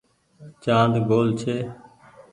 چآند گول ڇي ۔